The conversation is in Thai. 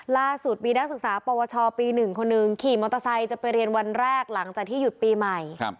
ล่าสุดมีนักศึกษาปวชปี๑คนหนึ่งขี่มอเตอร์ไซค์จะไปเรียนวันแรกหลังจากที่หยุดปีใหม่